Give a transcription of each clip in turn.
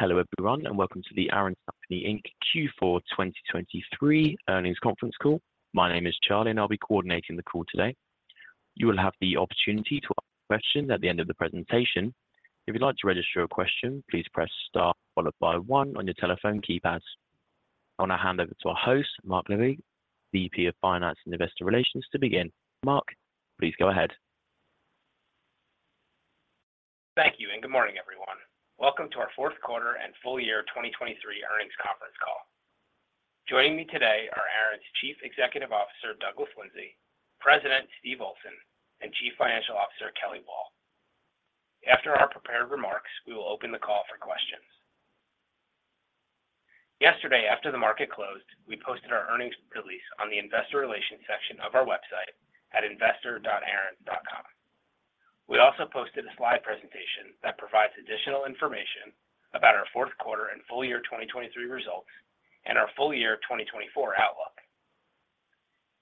Hello everyone and welcome to the Aaron's Company, Inc. Q4 2023 earnings conference call. My name is Charlie and I'll be coordinating the call today. You will have the opportunity to ask a question at the end of the presentation. If you'd like to register a question, please press star followed by 1 on your telephone keypad. I want to hand over to our host, Marc Levee, VP of Finance and Investor Relations, to begin. Marc, please go ahead. Thank you and good morning everyone. Welcome to our fourth quarter and full year 2023 earnings conference call. Joining me today are Aaron's Chief Executive Officer, Douglas Lindsay, President, Steve Olsen, and Chief Financial Officer, Kelly Wall. After our prepared remarks, we will open the call for questions. Yesterday, after the market closed, we posted our earnings release on the Investor Relations section of our website at investor.aarons.com. We also posted a slide presentation that provides additional information about our fourth quarter and full year 2023 results and our full year 2024 outlook.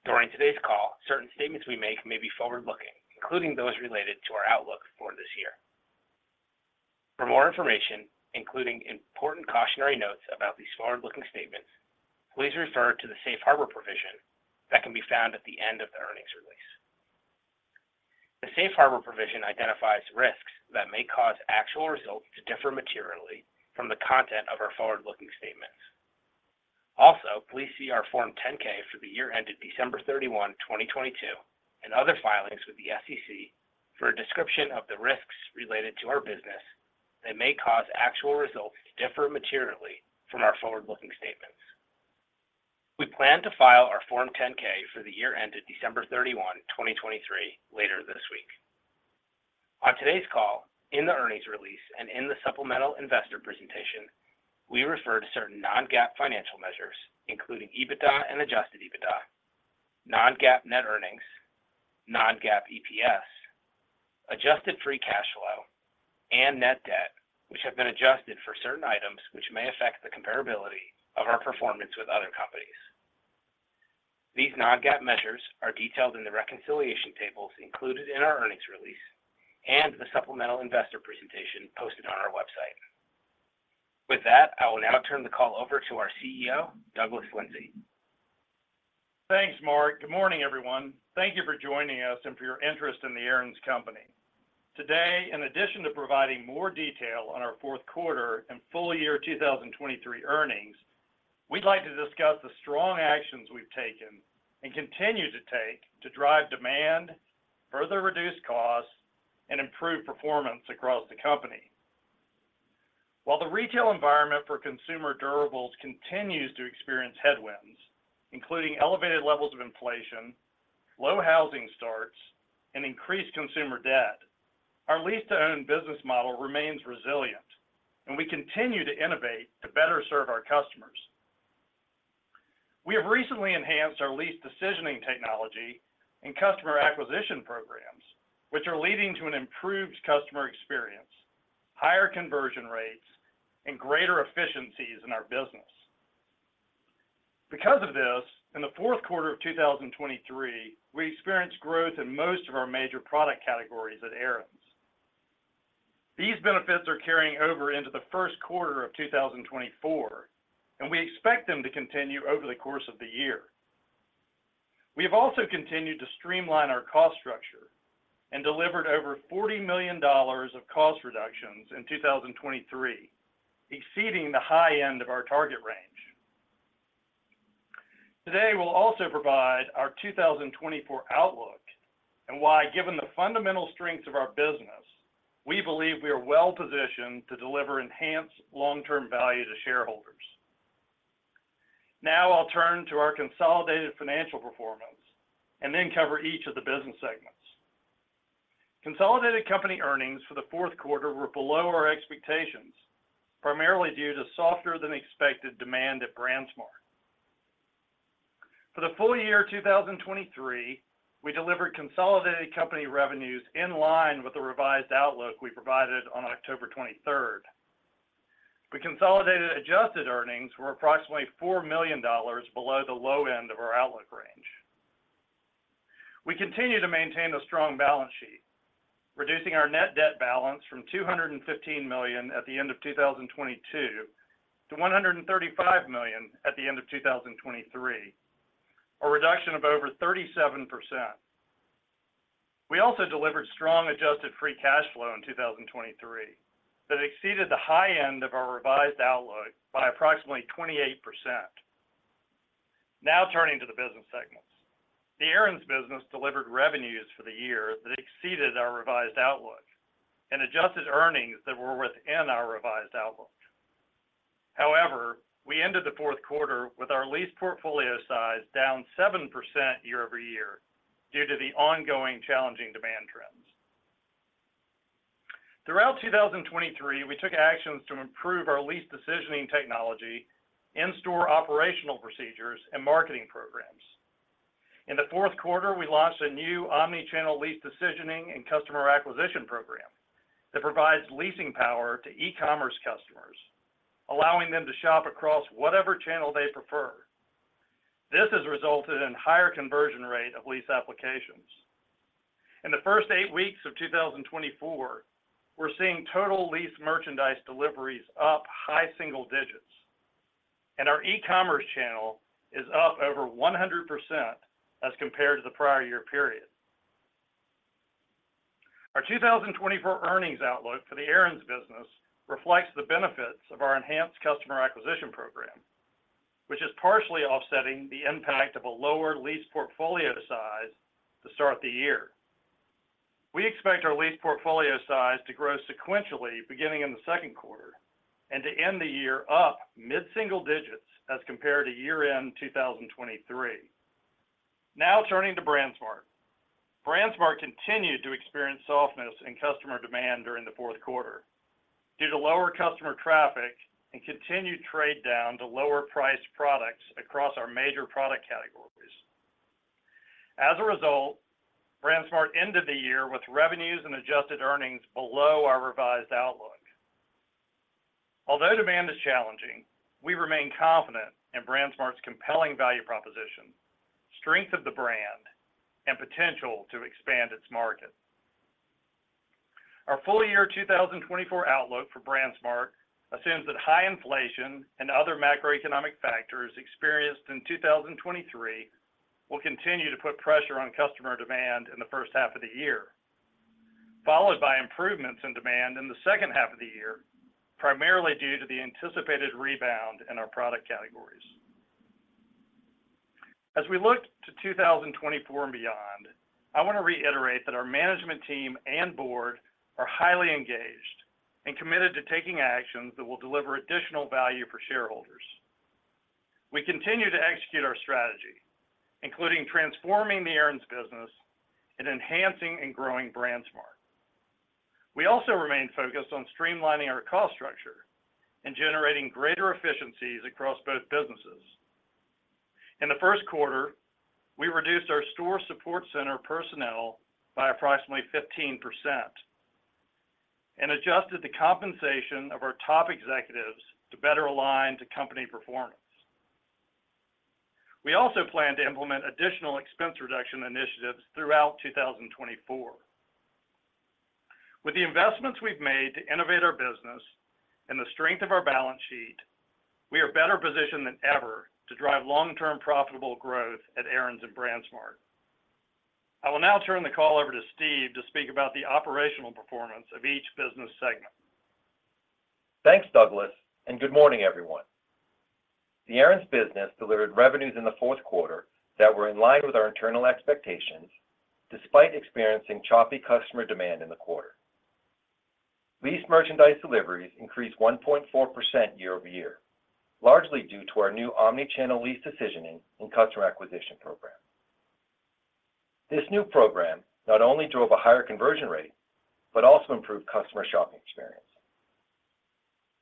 During today's call, certain statements we make may be forward-looking, including those related to our outlook for this year. For more information, including important cautionary notes about these forward-looking statements, please refer to the Safe Harbor provision that can be found at the end of the earnings release. The Safe Harbor provision identifies risks that may cause actual results to differ materially from the content of our forward-looking statements. Also, please see our Form 10-K for the year ended December 31, 2022, and other filings with the SEC for a description of the risks related to our business that may cause actual results to differ materially from our forward-looking statements. We plan to file our Form 10-K for the year ended December 31, 2023, later this week. On today's call, in the earnings release and in the supplemental investor presentation, we refer to certain non-GAAP financial measures, including EBITDA and Adjusted EBITDA, non-GAAP net earnings, non-GAAP EPS, Adjusted Free Cash Flow, and net debt, which have been adjusted for certain items which may affect the comparability of our performance with other companies. These non-GAAP measures are detailed in the reconciliation tables included in our earnings release and the supplemental investor presentation posted on our website. With that, I will now turn the call over to our CEO, Douglas Lindsay. Thanks, Marc. Good morning everyone. Thank you for joining us and for your interest in the Aaron's Company. Today, in addition to providing more detail on our fourth quarter and full year 2023 earnings, we'd like to discuss the strong actions we've taken and continue to take to drive demand, further reduce costs, and improve performance across the company. While the retail environment for consumer durables continues to experience headwinds, including elevated levels of inflation, low housing starts, and increased consumer debt, our lease-to-own business model remains resilient, and we continue to innovate to better serve our customers. We have recently enhanced our lease decisioning technology and customer acquisition programs, which are leading to an improved customer experience, higher conversion rates, and greater efficiencies in our business. Because of this, in the fourth quarter of 2023, we experienced growth in most of our major product categories at Aaron's. These benefits are carrying over into the first quarter of 2024, and we expect them to continue over the course of the year. We have also continued to streamline our cost structure and delivered over $40 million of cost reductions in 2023, exceeding the high end of our target range. Today, we'll also provide our 2024 outlook and why, given the fundamental strengths of our business, we believe we are well positioned to deliver enhanced long-term value to shareholders. Now I'll turn to our consolidated financial performance and then cover each of the business segments. Consolidated company earnings for the fourth quarter were below our expectations, primarily due to softer-than-expected demand at BrandsMart. For the full year 2023, we delivered consolidated company revenues in line with the revised outlook we provided on October 23rd. The consolidated adjusted earnings were approximately $4 million below the low end of our outlook range. We continue to maintain a strong balance sheet, reducing our net debt balance from $215 million at the end of 2022 to $135 million at the end of 2023, a reduction of over 37%. We also delivered strong adjusted free cash flow in 2023 that exceeded the high end of our revised outlook by approximately 28%. Now turning to the business segments. The Aaron's business delivered revenues for the year that exceeded our revised outlook and adjusted earnings that were within our revised outlook. However, we ended the fourth quarter with our lease portfolio size down 7% year-over-year due to the ongoing challenging demand trends. Throughout 2023, we took actions to improve our lease decisioning technology, in-store operational procedures, and marketing programs. In the fourth quarter, we launched a new omnichannel lease decisioning and customer acquisition program that provides leasing power to e-commerce customers, allowing them to shop across whatever channel they prefer. This has resulted in a higher conversion rate of lease applications. In the first eight weeks of 2024, we're seeing total lease merchandise deliveries up high single digits, and our e-commerce channel is up over 100% as compared to the prior year period. Our 2024 earnings outlook for the Aaron's business reflects the benefits of our enhanced customer acquisition program, which is partially offsetting the impact of a lower lease portfolio size to start the year. We expect our lease portfolio size to grow sequentially beginning in the second quarter and to end the year up mid-single digits as compared to year-end 2023. Now turning to BrandsMart. BrandsMart continued to experience softness in customer demand during the fourth quarter due to lower customer traffic and continued trade down to lower-priced products across our major product categories. As a result, BrandsMart ended the year with revenues and adjusted earnings below our revised outlook. Although demand is challenging, we remain confident in BrandsMart's compelling value proposition, strength of the brand, and potential to expand its market. Our full year 2024 outlook for BrandsMart assumes that high inflation and other macroeconomic factors experienced in 2023 will continue to put pressure on customer demand in the first half of the year, followed by improvements in demand in the second half of the year, primarily due to the anticipated rebound in our product categories. As we look to 2024 and beyond, I want to reiterate that our management team and board are highly engaged and committed to taking actions that will deliver additional value for shareholders. We continue to execute our strategy, including transforming the Aaron's business and enhancing and growing BrandsMart. We also remain focused on streamlining our cost structure and generating greater efficiencies across both businesses. In the first quarter, we reduced our store support center personnel by approximately 15% and adjusted the compensation of our top executives to better align to company performance. We also plan to implement additional expense reduction initiatives throughout 2024. With the investments we've made to innovate our business and the strength of our balance sheet, we are better positioned than ever to drive long-term profitable growth at Aaron's and BrandsMart. I will now turn the call over to Steve to speak about the operational performance of each business segment. Thanks, Douglas, and good morning everyone. The Aaron's business delivered revenues in the fourth quarter that were in line with our internal expectations despite experiencing choppy customer demand in the quarter. Lease merchandise deliveries increased 1.4% year-over-year, largely due to our new omnichannel lease decisioning and customer acquisition program. This new program not only drove a higher conversion rate but also improved customer shopping experience.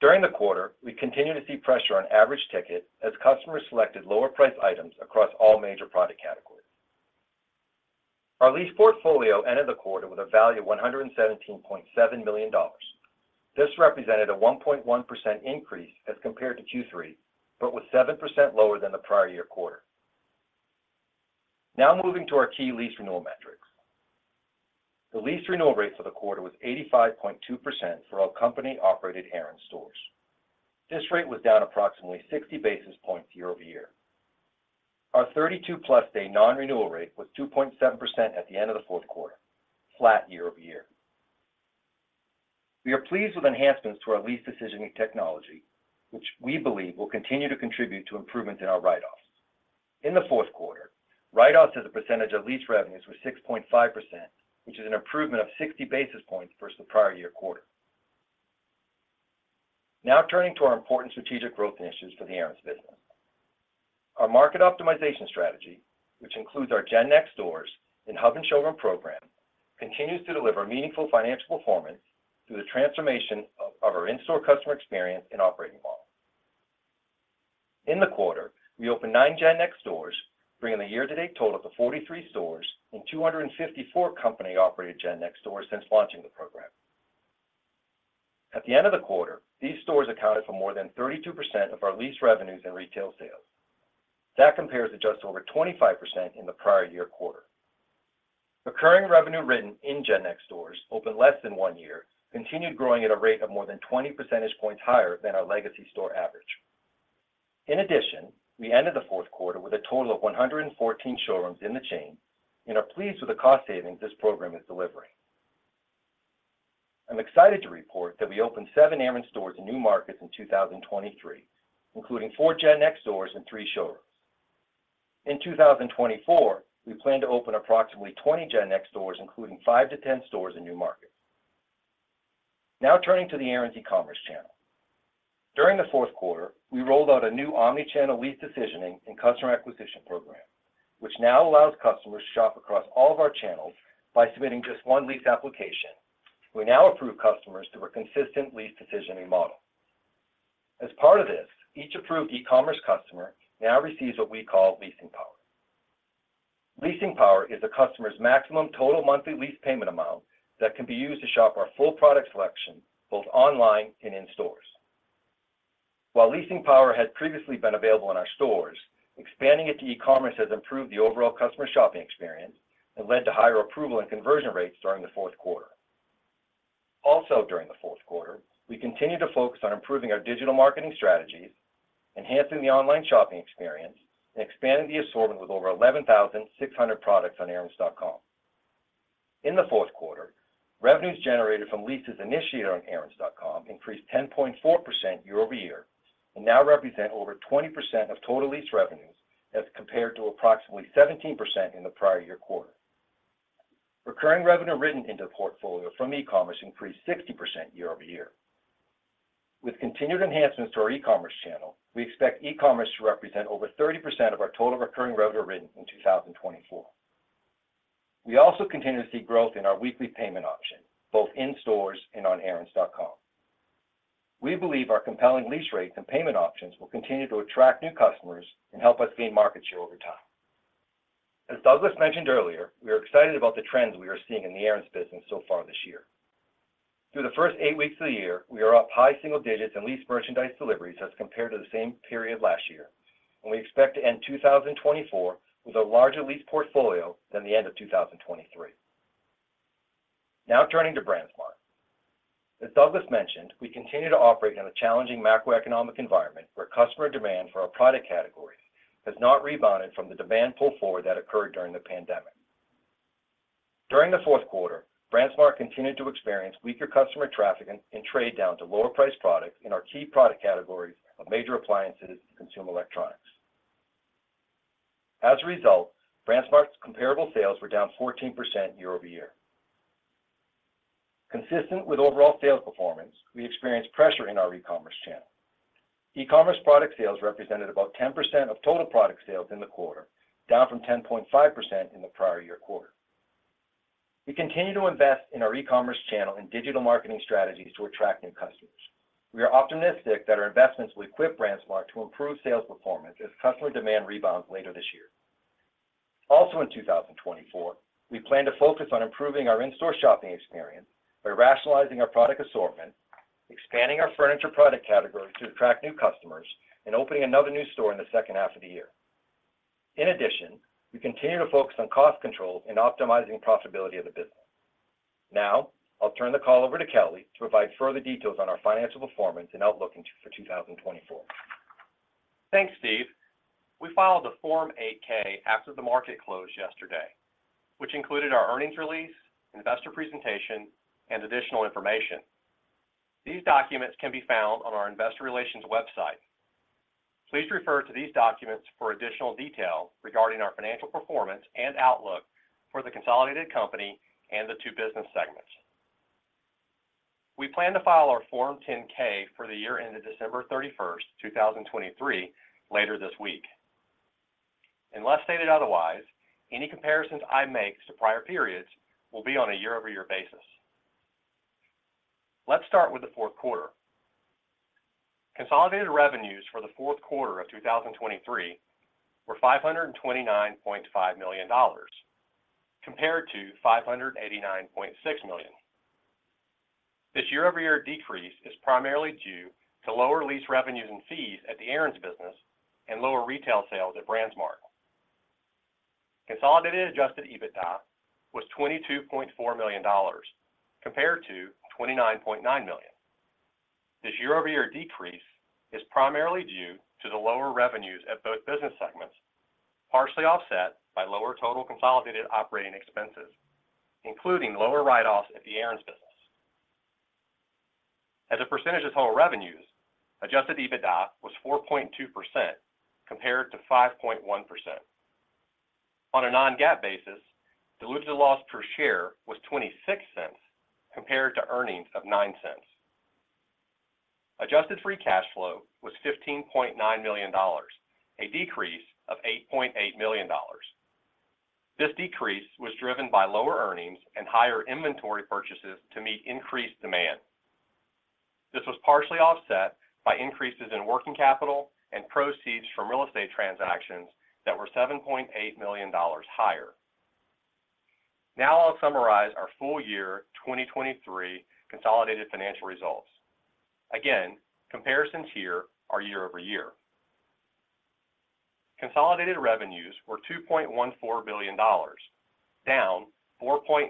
During the quarter, we continued to see pressure on average ticket as customers selected lower-priced items across all major product categories. Our lease portfolio ended the quarter with a value of $117.7 million. This represented a 1.1% increase as compared to Q3 but was 7% lower than the prior year quarter. Now moving to our key lease renewal metrics. The lease renewal rate for the quarter was 85.2% for all company-operated Aaron's stores. This rate was down approximately 60 basis points year-over-year. Our 32+ day non-renewal rate was 2.7% at the end of the fourth quarter, flat year-over-year. We are pleased with enhancements to our lease decisioning technology, which we believe will continue to contribute to improvements in our write-offs. In the fourth quarter, write-offs as a percentage of lease revenues were 6.5%, which is an improvement of 60 basis points versus the prior year quarter. Now turning to our important strategic growth initiatives for the Aaron's business. Our market optimization strategy, which includes our GenNext stores and hub-and-showroom program, continues to deliver meaningful financial performance through the transformation of our in-store customer experience and operating model. In the quarter, we opened 9 GenNext stores, bringing the year-to-date total to 43 stores and 254 company-operated GenNext stores since launching the program. At the end of the quarter, these stores accounted for more than 32% of our lease revenues and retail sales. That compares to just over 25% in the prior year quarter. Recurring revenue written in GenNext stores opened less than one year continued growing at a rate of more than 20 percentage points higher than our legacy store average. In addition, we ended the fourth quarter with a total of 114 showrooms in the chain, and are pleased with the cost savings this program is delivering. I'm excited to report that we opened seven Aaron's stores in new markets in 2023, including four GenNext stores and three showrooms. In 2024, we plan to open approximately 20 GenNext stores, including five to 10 stores in new markets. Now turning to the Aaron's e-commerce channel. During the fourth quarter, we rolled out a new omnichannel lease decisioning and customer acquisition program, which now allows customers to shop across all of our channels by submitting just one lease application. We now approve customers through a consistent lease decisioning model. As part of this, each approved e-commerce customer now receives what we call Leasing Power. Leasing Power is the customer's maximum total monthly lease payment amount that can be used to shop our full product selection both online and in stores. While Leasing Power had previously been available in our stores, expanding it to e-commerce has improved the overall customer shopping experience and led to higher approval and conversion rates during the fourth quarter. Also, during the fourth quarter, we continue to focus on improving our digital marketing strategies, enhancing the online shopping experience, and expanding the assortment with over 11,600 products on Aarons.com. In the fourth quarter, revenues generated from leases initiated on Aarons.com increased 10.4% year-over-year and now represent over 20% of total lease revenues as compared to approximately 17% in the prior year quarter. Recurring revenue written into the portfolio from e-commerce increased 60% year-over-year. With continued enhancements to our e-commerce channel, we expect e-commerce to represent over 30% of our total recurring revenue written in 2024. We also continue to see growth in our weekly payment option, both in stores and on Aarons.com. We believe our compelling lease rates and payment options will continue to attract new customers and help us gain market share over time. As Douglas mentioned earlier, we are excited about the trends we are seeing in the Aaron's business so far this year. Through the first eight weeks of the year, we are up high single digits in lease merchandise deliveries as compared to the same period last year, and we expect to end 2024 with a larger lease portfolio than the end of 2023. Now turning to BrandsMart. As Douglas mentioned, we continue to operate in a challenging macroeconomic environment where customer demand for our product categories has not rebounded from the demand pull forward that occurred during the pandemic. During the fourth quarter, BrandsMart continued to experience weaker customer traffic and trade down to lower-priced products in our key product categories of major appliances and consumer electronics. As a result, BrandsMart's comparable sales were down 14% year-over-year. Consistent with overall sales performance, we experienced pressure in our e-commerce channel. E-commerce product sales represented about 10% of total product sales in the quarter, down from 10.5% in the prior year quarter. We continue to invest in our e-commerce channel and digital marketing strategies to attract new customers. We are optimistic that our investments will equip BrandsMart to improve sales performance as customer demand rebounds later this year. Also, in 2024, we plan to focus on improving our in-store shopping experience by rationalizing our product assortment, expanding our furniture product category to attract new customers, and opening another new store in the second half of the year. In addition, we continue to focus on cost control and optimizing profitability of the business. Now I'll turn the call over to Kelly to provide further details on our financial performance and outlook for 2024. Thanks, Steve. We filed a Form 8-K after the market closed yesterday, which included our earnings release, investor presentation, and additional information. These documents can be found on our investor relations website. Please refer to these documents for additional detail regarding our financial performance and outlook for the consolidated company and the two business segments. We plan to file our Form 10-K for the year ended December 31st, 2023, later this week. Unless stated otherwise, any comparisons I make to prior periods will be on a year-over-year basis. Let's start with the fourth quarter. Consolidated revenues for the fourth quarter of 2023 were $529.5 million compared to $589.6 million. This year-over-year decrease is primarily due to lower lease revenues and fees at the Aaron's business and lower retail sales at BrandsMart. Consolidated Adjusted EBITDA was $22.4 million compared to $29.9 million. This year-over-year decrease is primarily due to the lower revenues at both business segments, partially offset by lower total consolidated operating expenses, including lower write-offs at the Aaron's business. As a percentage of total revenues, Adjusted EBITDA was 4.2% compared to 5.1%. On a non-GAAP basis, diluted loss per share was $0.26 compared to earnings of $0.09. Adjusted Free Cash Flow was $15.9 million, a decrease of $8.8 million. This decrease was driven by lower earnings and higher inventory purchases to meet increased demand. This was partially offset by increases in working capital and proceeds from real estate transactions that were $7.8 million higher. Now I'll summarize our full year 2023 consolidated financial results. Again, comparisons here are year-over-year. Consolidated revenues were $2.14 billion, down 4.9%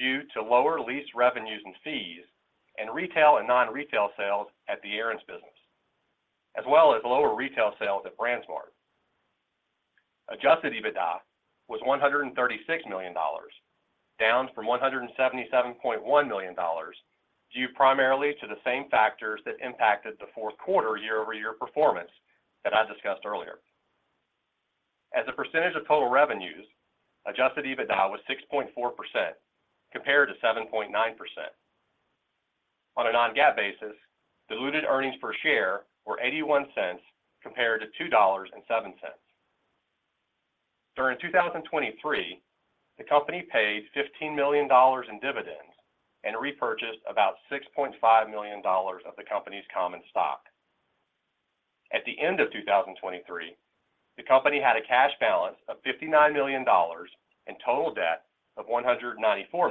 due to lower lease revenues and fees and retail and non-retail sales at the Aaron's business, as well as lower retail sales at BrandsMart. Adjusted EBITDA was $136 million, down from $177.1 million due primarily to the same factors that impacted the fourth quarter year-over-year performance that I discussed earlier. As a percentage of total revenues, adjusted EBITDA was 6.4% compared to 7.9%. On a non-GAAP basis, diluted earnings per share were $0.81 compared to $2.07. During 2023, the company paid $15 million in dividends and repurchased about $6.5 million of the company's common stock. At the end of 2023, the company had a cash balance of $59 million and total debt of $194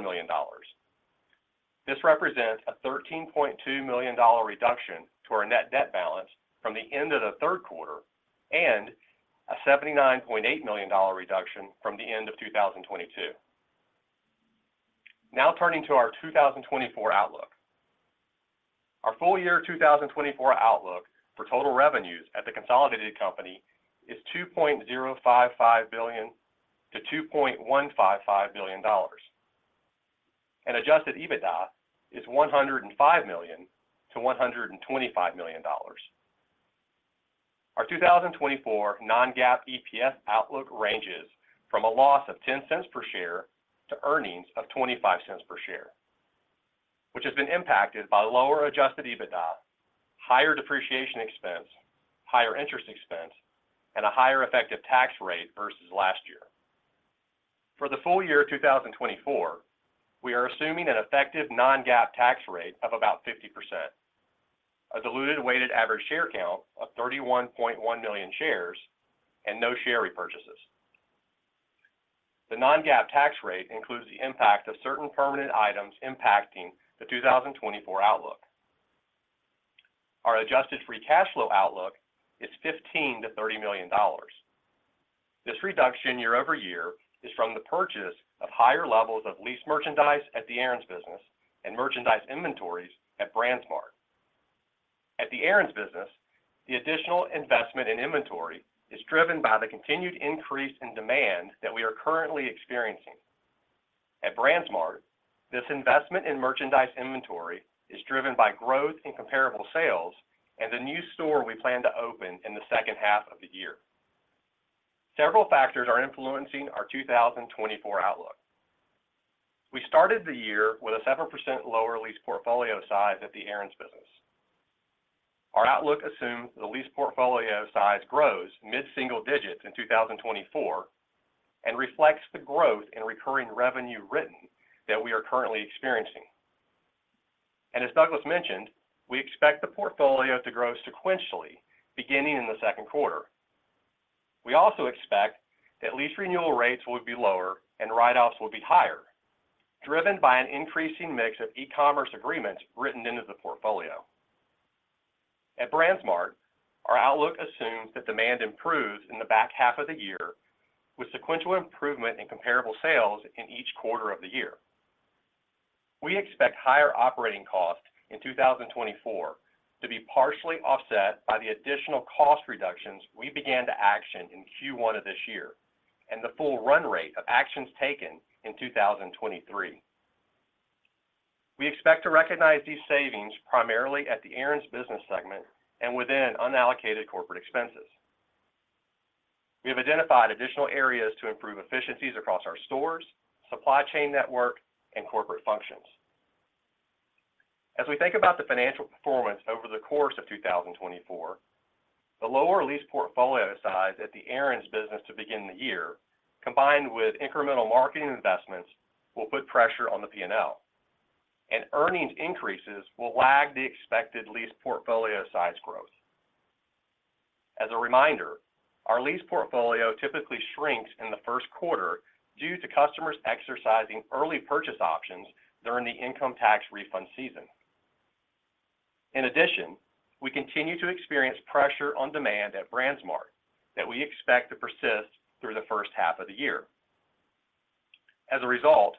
million. This represents a $13.2 million reduction to our net debt balance from the end of the third quarter and a $79.8 million reduction from the end of 2022. Now turning to our 2024 outlook. Our full year 2024 outlook for total revenues at the consolidated company is $2.055 billion-$2.155 billion, and Adjusted EBITDA is $105 million-$125 million. Our 2024 non-GAAP EPS outlook ranges from a loss of $0.10 per share to earnings of $0.25 per share, which has been impacted by lower Adjusted EBITDA, higher depreciation expense, higher interest expense, and a higher effective tax rate versus last year. For the full year 2024, we are assuming an effective non-GAAP tax rate of about 50%, a diluted weighted average share count of 31.1 million shares, and no share repurchases. The non-GAAP tax rate includes the impact of certain permanent items impacting the 2024 outlook. Our Adjusted Free Cash Flow outlook is $15 million-$30 million. This reduction year over year is from the purchase of higher levels of lease merchandise at the Aaron's business and merchandise inventories at BrandsMart. At the Aaron's business, the additional investment in inventory is driven by the continued increase in demand that we are currently experiencing. At BrandsMart, this investment in merchandise inventory is driven by growth in comparable sales and the new store we plan to open in the second half of the year. Several factors are influencing our 2024 outlook. We started the year with a 7% lower lease portfolio size at the Aaron's business. Our outlook assumes the lease portfolio size grows mid-single digits in 2024 and reflects the growth in recurring revenue written that we are currently experiencing. As Douglas mentioned, we expect the portfolio to grow sequentially beginning in the second quarter. We also expect that lease renewal rates will be lower and write-offs will be higher, driven by an increasing mix of e-commerce agreements written into the portfolio. At BrandsMart, our outlook assumes that demand improves in the back half of the year with sequential improvement in comparable sales in each quarter of the year. We expect higher operating costs in 2024 to be partially offset by the additional cost reductions we began to action in Q1 of this year and the full run rate of actions taken in 2023. We expect to recognize these savings primarily at the Aaron's business segment and within unallocated corporate expenses. We have identified additional areas to improve efficiencies across our stores, supply chain network, and corporate functions. As we think about the financial performance over the course of 2024, the lower lease portfolio size at the Aaron's business to begin the year, combined with incremental marketing investments, will put pressure on the P&L, and earnings increases will lag the expected lease portfolio size growth. As a reminder, our lease portfolio typically shrinks in the first quarter due to customers exercising early purchase options during the income tax refund season. In addition, we continue to experience pressure on demand at BrandsMart that we expect to persist through the first half of the year. As a result,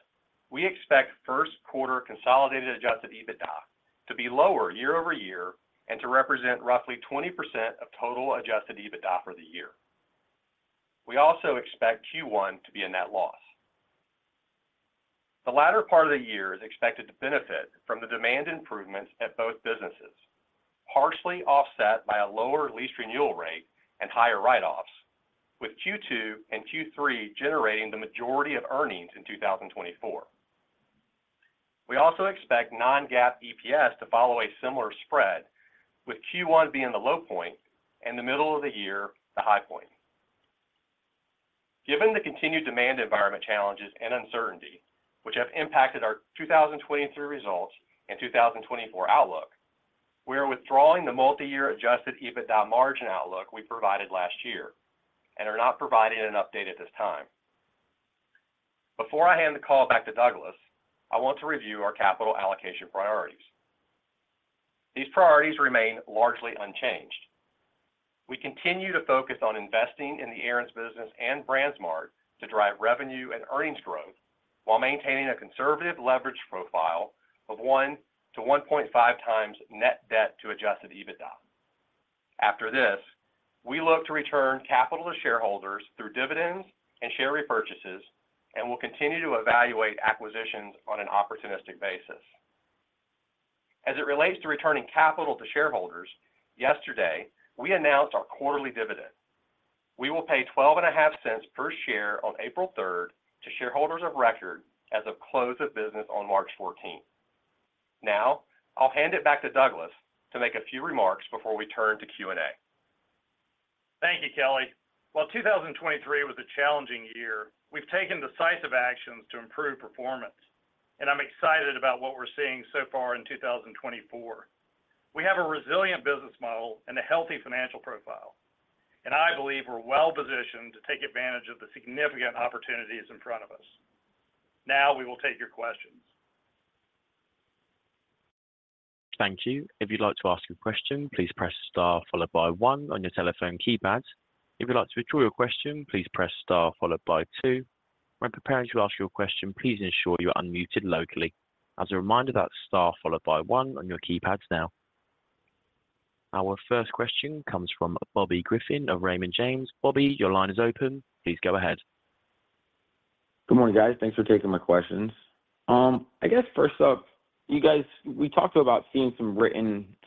we expect first quarter consolidated Adjusted EBITDA to be lower year-over-year and to represent roughly 20% of total Adjusted EBITDA for the year. We also expect Q1 to be a net loss. The latter part of the year is expected to benefit from the demand improvements at both businesses, partially offset by a lower lease renewal rate and higher write-offs, with Q2 and Q3 generating the majority of earnings in 2024. We also expect non-GAAP EPS to follow a similar spread, with Q1 being the low point and the middle of the year the high point. Given the continued demand environment challenges and uncertainty, which have impacted our 2023 results and 2024 outlook, we are withdrawing the multi-year Adjusted EBITDA margin outlook we provided last year and are not providing an update at this time. Before I hand the call back to Douglas, I want to review our capital allocation priorities. These priorities remain largely unchanged. We continue to focus on investing in the Aaron's business and BrandsMart to drive revenue and earnings growth while maintaining a conservative leverage profile of 1-1.5x net debt to Adjusted EBITDA. After this, we look to return capital to shareholders through dividends and share repurchases, and we'll continue to evaluate acquisitions on an opportunistic basis. As it relates to returning capital to shareholders, yesterday we announced our quarterly dividend. We will pay $0.12 per share on April 3rd to shareholders of record as of close of business on March 14th. Now I'll hand it back to Douglas to make a few remarks before we turn to Q&A. Thank you, Kelly. While 2023 was a challenging year, we've taken decisive actions to improve performance, and I'm excited about what we're seeing so far in 2024. We have a resilient business model and a healthy financial profile, and I believe we're well positioned to take advantage of the significant opportunities in front of us. Now we will take your questions. Thank you. If you'd like to ask a question, please press star followed by one on your telephone keypads. If you'd like to withdraw your question, please press star followed by two. When preparing to ask your question, please ensure you are unmuted locally. As a reminder, that's star followed by one on your keypads now. Our first question comes from Bobby Griffin of Raymond James. Bobby, your line is open. Please go ahead. Good morning, guys. Thanks for taking my questions. I guess first up, we talked about seeing some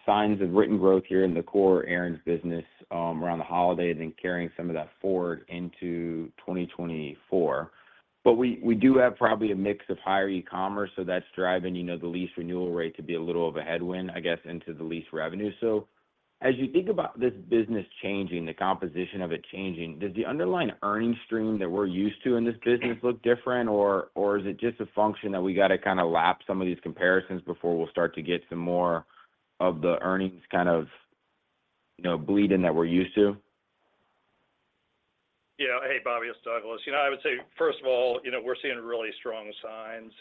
signs of written growth here in the core Aaron's business around the holiday and then carrying some of that forward into 2024. But we do have probably a mix of higher e-commerce, so that's driving the lease renewal rate to be a little of a headwind, I guess, into the lease revenue. So as you think about this business changing, the composition of it changing, does the underlying earnings stream that we're used to in this business look different, or is it just a function that we got to kind of lap some of these comparisons before we'll start to get some more of the earnings kind of bleed-in that we're used to? Yeah. Hey, Bobby. It's Douglas. I would say, first of all, we're seeing really strong signs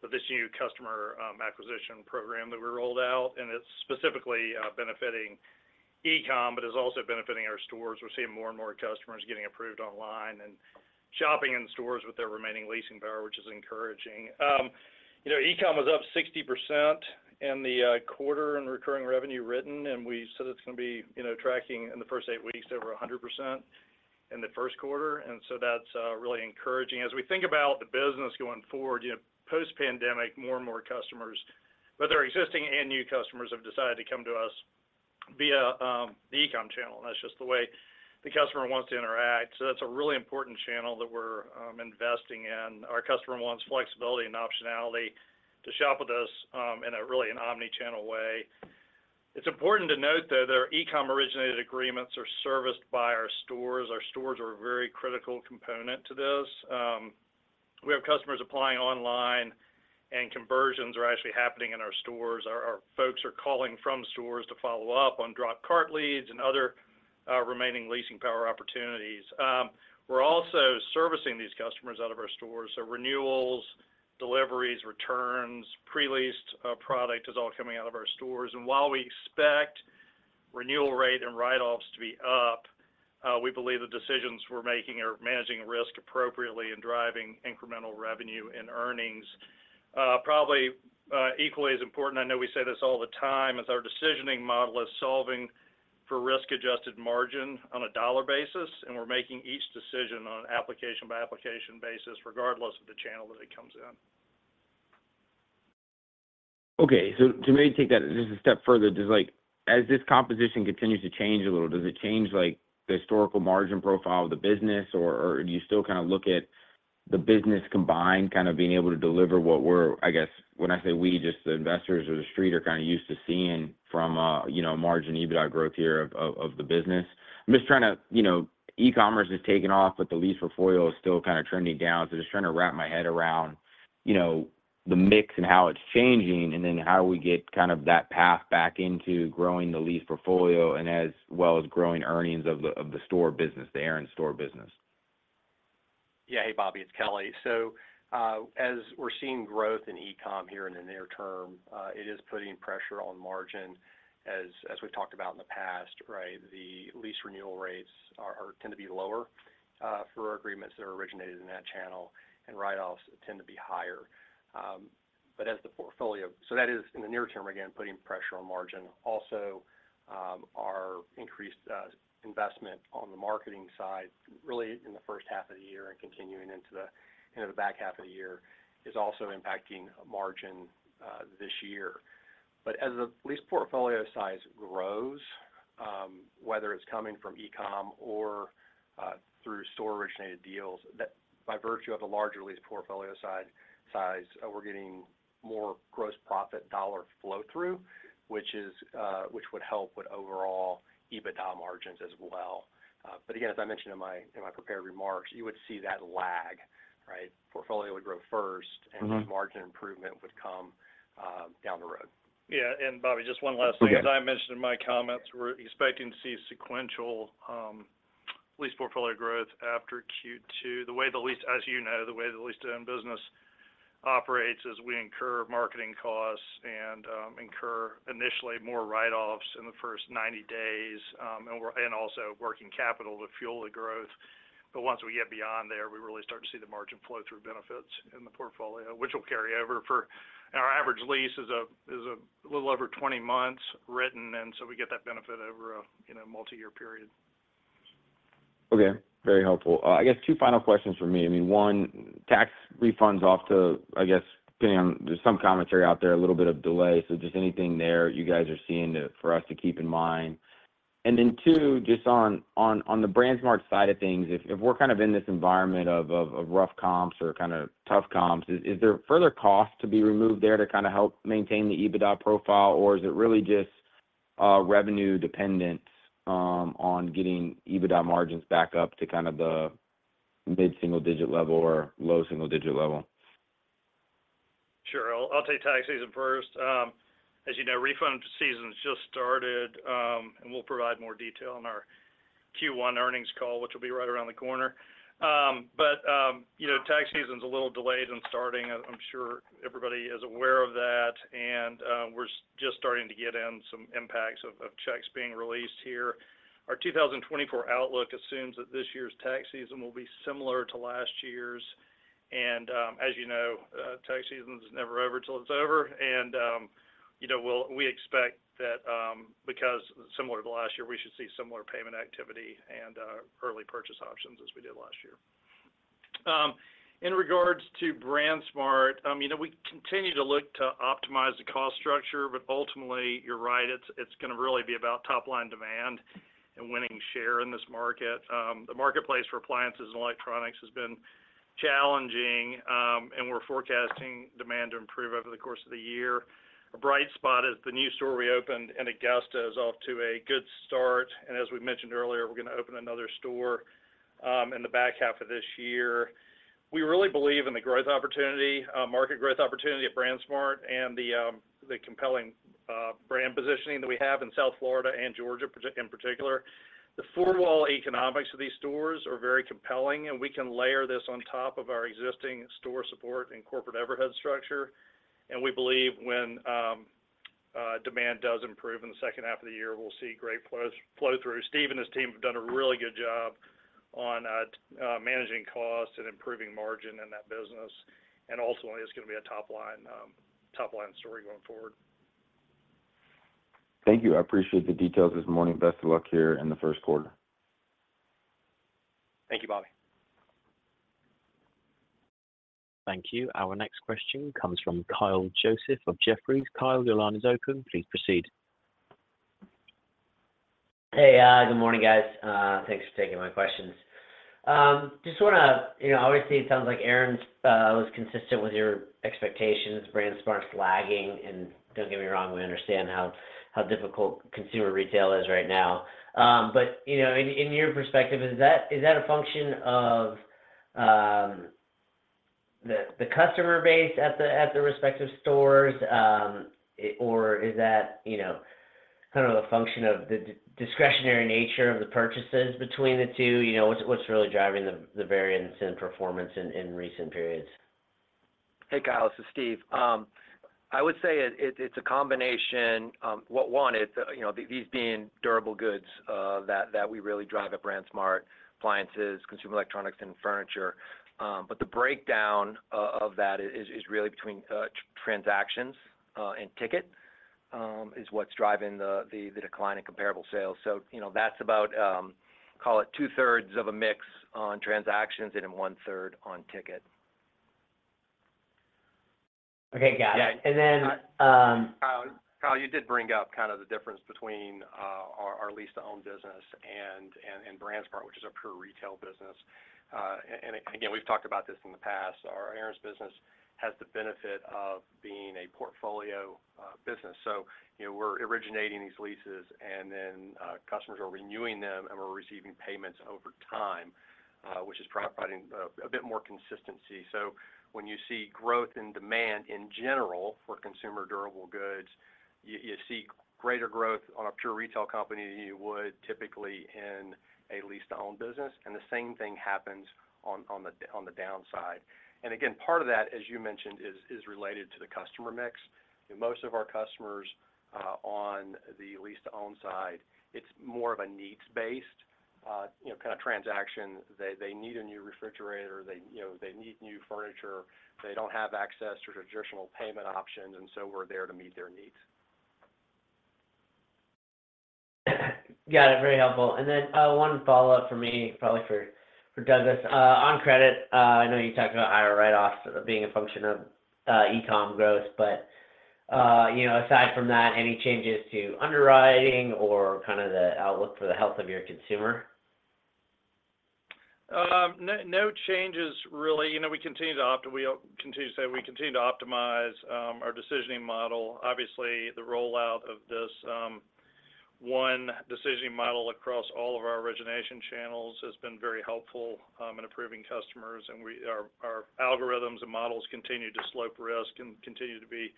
with this new customer acquisition program that we rolled out, and it's specifically benefiting e-com, but it's also benefiting our stores. We're seeing more and more customers getting approved online and shopping in stores with their remaining leasing power, which is encouraging. E-com was up 60% in the quarter in recurring revenue written, and we said it's going to be tracking in the first eight weeks over 100% in the first quarter. And so that's really encouraging. As we think about the business going forward, post-pandemic, more and more customers, both our existing and new customers, have decided to come to us via the e-com channel. That's just the way the customer wants to interact. So that's a really important channel that we're investing in. Our customer wants flexibility and optionality to shop with us in a really omnichannel way. It's important to note, though, that our e-com originated agreements are serviced by our stores. Our stores are a very critical component to this. We have customers applying online, and conversions are actually happening in our stores. Our folks are calling from stores to follow up on drop cart leads and other remaining leasing power opportunities. We're also servicing these customers out of our stores. So renewals, deliveries, returns, pre-leased product is all coming out of our stores. And while we expect renewal rate and write-offs to be up, we believe the decisions we're making are managing risk appropriately and driving incremental revenue and earnings. Probably equally as important, I know we say this all the time, as our decisioning model is solving for risk-adjusted margin on a dollar basis, and we're making each decision on an application-by-application basis, regardless of the channel that it comes in. Okay. So to maybe take that just a step further, as this composition continues to change a little, does it change the historical margin profile of the business, or do you still kind of look at the business combined kind of being able to deliver what we're, I guess, when I say we, just the investors or the street are kind of used to seeing from margin EBITDA growth here of the business? I'm just trying to e-commerce has taken off, but the lease portfolio is still kind of trending down. So just trying to wrap my head around the mix and how it's changing, and then how do we get kind of that path back into growing the lease portfolio and as well as growing earnings of the store business, the Aaron's store business? Yeah. Hey, Bobby. It's Kelly. So as we're seeing growth in e-com here in the near term, it is putting pressure on margin. As we've talked about in the past, right, the lease renewal rates tend to be lower for agreements that are originated in that channel, and write-offs tend to be higher. But as the portfolio so that is, in the near term, again, putting pressure on margin. Also, our increased investment on the marketing side, really in the first half of the year and continuing into the back half of the year, is also impacting margin this year. But as the lease portfolio size grows, whether it's coming from e-com or through store-originated deals, by virtue of the larger lease portfolio size, we're getting more gross profit dollar flow-through, which would help with overall EBITDA margins as well. But again, as I mentioned in my prepared remarks, you would see that lag, right? Portfolio would grow first, and then margin improvement would come down the road. Yeah. And Bobby, just one last thing. As I mentioned in my comments, we're expecting to see sequential lease portfolio growth after Q2. The way the lease, as you know, the way the lease-to-own business operates is we incur marketing costs and incur initially more write-offs in the first 90 days and also working capital to fuel the growth. But once we get beyond there, we really start to see the margin flow-through benefits in the portfolio, which will carry over, for our average lease is a little over 20 months written, and so we get that benefit over a multi-year period. Okay. Very helpful. I guess two final questions for me. I mean, one, tax refunds off to, I guess, depending on there's some commentary out there, a little bit of delay. So just anything there you guys are seeing for us to keep in mind. And then two, just on the BrandsMart side of things, if we're kind of in this environment of rough comps or kind of tough comps, is there further cost to be removed there to kind of help maintain the EBITDA profile, or is it really just revenue-dependent on getting EBITDA margins back up to kind of the mid-single digit level or low single digit level? Sure. I'll take tax season first. As you know, refund season just started, and we'll provide more detail in our Q1 earnings call, which will be right around the corner. But tax season's a little delayed in starting. I'm sure everybody is aware of that, and we're just starting to get in some impacts of checks being released here. Our 2024 outlook assumes that this year's tax season will be similar to last year's. And as you know, tax season's never over till it's over. And we expect that because similar to last year, we should see similar payment activity and early purchase options as we did last year. In regards to BrandsMart, we continue to look to optimize the cost structure, but ultimately, you're right, it's going to really be about top-line demand and winning share in this market. The marketplace for appliances and electronics has been challenging, and we're forecasting demand to improve over the course of the year. A bright spot is the new store we opened in Augusta, is off to a good start. As we mentioned earlier, we're going to open another store in the back half of this year. We really believe in the growth opportunity, market growth opportunity at BrandsMart, and the compelling brand positioning that we have in South Florida and Georgia in particular. The four-wall economics of these stores are very compelling, and we can layer this on top of our existing store support and corporate overhead structure. We believe when demand does improve in the second half of the year, we'll see great flow-through. Steve and his team have done a really good job on managing costs and improving margin in that business. Ultimately, it's going to be a top-line story going forward. Thank you. I appreciate the details this morning. Best of luck here in the first quarter. Thank you, Bobby. Thank you. Our next question comes from Kyle Joseph of Jefferies. Kyle, your line is open. Please proceed. Hey. Good morning, guys. Thanks for taking my questions. Just want to obviously, it sounds like Aaron's was consistent with your expectations. BrandsMart's lagging, and don't get me wrong, we understand how difficult consumer retail is right now. But in your perspective, is that a function of the customer base at the respective stores, or is that kind of a function of the discretionary nature of the purchases between the two? What's really driving the variance in performance in recent periods? Hey, Kyle. This is Steve. I would say it's a combination. One, these being durable goods that we really drive at BrandsMart, appliances, consumer electronics, and furniture. But the breakdown of that is really between transactions and ticket, is what's driving the decline in comparable sales. So that's about, call it, 2/3 of a mix on transactions and 1/3 on ticket. Okay. Got it. And then. Kyle, you did bring up kind of the difference between our lease-to-own business and BrandsMart, which is our pure retail business. Again, we've talked about this in the past. Our Aaron's business has the benefit of being a portfolio business. We're originating these leases, and then customers are renewing them, and we're receiving payments over time, which is providing a bit more consistency. When you see growth in demand in general for consumer durable goods, you see greater growth on a pure retail company than you would typically in a lease-to-own business. The same thing happens on the downside. Again, part of that, as you mentioned, is related to the customer mix. Most of our customers on the lease-to-own side, it's more of a needs-based kind of transaction. They need a new refrigerator. They need new furniture. They don't have access to traditional payment options, and so we're there to meet their needs. Got it. Very helpful. And then one follow-up for me, probably for Douglas. On credit, I know you talked about higher write-offs being a function of e-com growth, but aside from that, any changes to underwriting or kind of the outlook for the health of your consumer? No changes, really. We continue to optimize. We continue to say we continue to optimize our decisioning model. Obviously, the rollout of this one decisioning model across all of our origination channels has been very helpful in approving customers. And our algorithms and models continue to slope risk and continue to be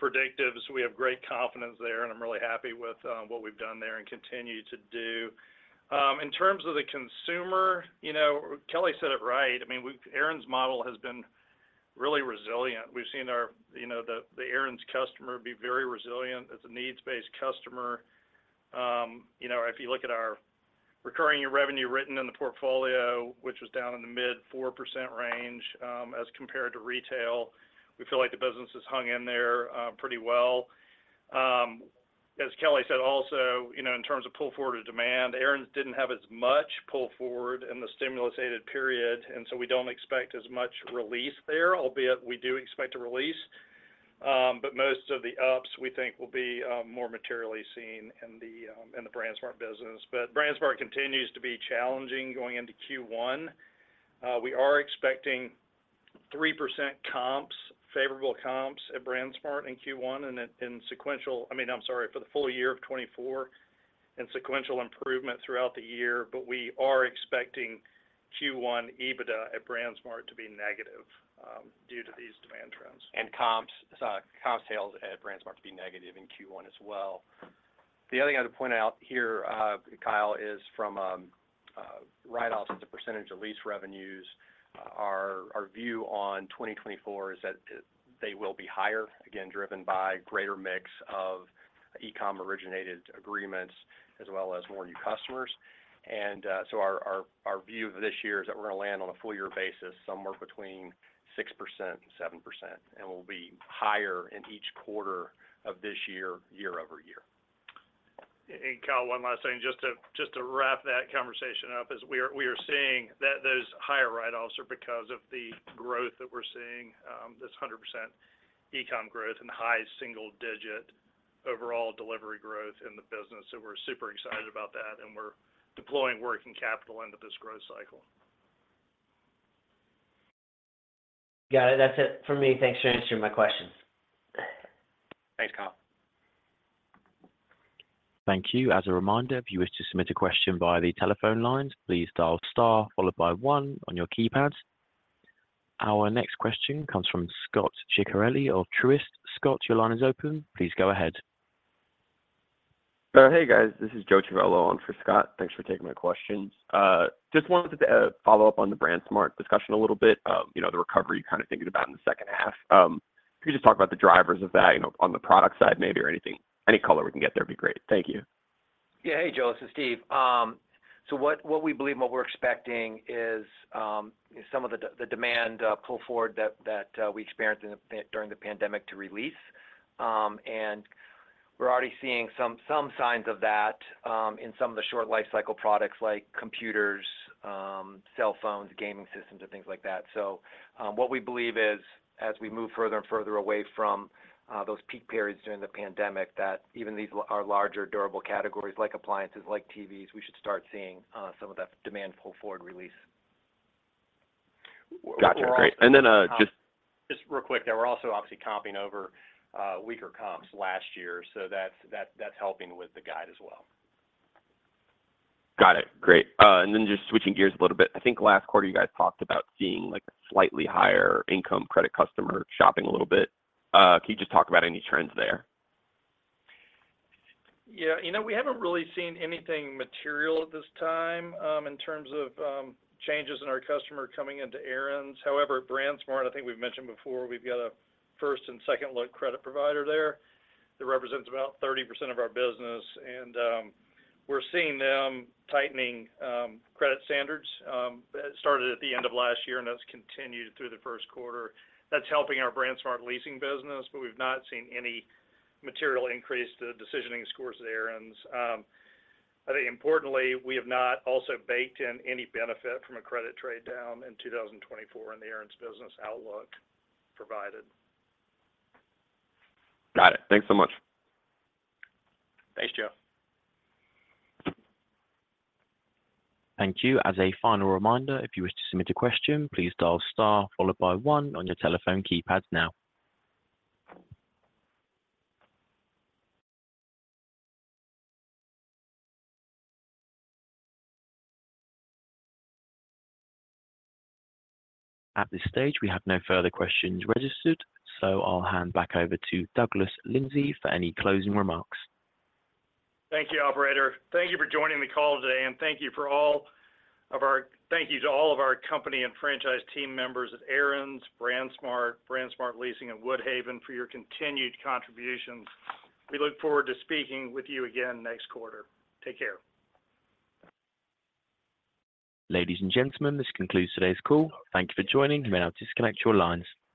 predictive. So we have great confidence there, and I'm really happy with what we've done there and continue to do. In terms of the consumer, Kelly said it right. I mean, Aaron's model has been really resilient. We've seen the Aaron's customer be very resilient. It's a needs-based customer. If you look at our recurring revenue written in the portfolio, which was down in the mid-4% range as compared to retail, we feel like the business has hung in there pretty well. As Kelly said, also, in terms of pull forward of demand, Aaron's didn't have as much pull forward in the stimulus-aided period. And so we don't expect as much release there, albeit we do expect a release. But most of the ups, we think, will be more materially seen in the BrandsMart business. But BrandsMart continues to be challenging going into Q1. We are expecting 3% comps, favorable comps at BrandsMart in Q1 and in sequential I mean, I'm sorry, for the full year of 2024 and sequential improvement throughout the year. But we are expecting Q1 EBITDA at BrandsMart to be negative due to these demand trends. Comps sales at BrandsMart to be negative in Q1 as well. The other thing I would point out here, Kyle, is from write-offs as a percentage of lease revenues, our view on 2024 is that they will be higher, again, driven by greater mix of e-com originated agreements as well as more new customers. And so our view of this year is that we're going to land on a full-year basis, somewhere between 6%-7%, and we'll be higher in each quarter of this year, year-over-year. And Kyle, one last thing, just to wrap that conversation up, is we are seeing those higher write-offs are because of the growth that we're seeing, this 100% e-com growth and high single-digit overall delivery growth in the business. So we're super excited about that, and we're deploying working capital into this growth cycle. Got it. That's it for me. Thanks for answering my questions. Thanks, Kyle. Thank you. As a reminder, if you wish to submit a question via the telephone lines, please dial star followed by 1 on your keypads. Our next question comes from Scott Ciccarelli of Truist. Scott, your line is open. Please go ahead. Hey, guys. This is Joe Civello on for Scott. Thanks for taking my questions. Just wanted to follow up on the BrandsMart discussion a little bit, the recovery you're kind of thinking about in the second half. If you could just talk about the drivers of that on the product side maybe or anything. Any color we can get there would be great. Thank you. Yeah. Hey, Joe. This is Steve. So what we believe, what we're expecting is some of the demand pull forward that we experienced during the pandemic to release. And we're already seeing some signs of that in some of the short lifecycle products like computers, cell phones, gaming systems, and things like that. So what we believe is as we move further and further away from those peak periods during the pandemic, that even our larger durable categories like appliances, like TVs, we should start seeing some of that demand pull forward release. Gotcha. Great. And then just. Just real quick there, we're also obviously copying over weaker comps last year, so that's helping with the guide as well. Got it. Great. And then just switching gears a little bit, I think last quarter, you guys talked about seeing slightly higher income credit customer shopping a little bit. Can you just talk about any trends there? Yeah. We haven't really seen anything material at this time in terms of changes in our customer coming into Aaron's. However, at BrandsMart, I think we've mentioned before, we've got a first and second-look credit provider there that represents about 30% of our business. And we're seeing them tightening credit standards. It started at the end of last year, and that's continued through the first quarter. That's helping our BrandsMart Leasing business, but we've not seen any material increase to decisioning scores at Aaron's. I think, importantly, we have not also baked in any benefit from a credit trade down in 2024 in the Aaron's business outlook provided. Got it. Thanks so much. Thanks, Joe. Thank you. As a final reminder, if you wish to submit a question, please dial star followed by one on your telephone keypads now. At this stage, we have no further questions registered, so I'll hand back over to Douglas Lindsay for any closing remarks. Thank you, operator. Thank you for joining the call today, and thank you to all of our company and franchise team members at Aaron's, BrandsMart, BrandsMart Leasing, and Woodhaven for your continued contributions. We look forward to speaking with you again next quarter. Take care. Ladies and gentlemen, this concludes today's call. Thank you for joining. You may now disconnect your lines.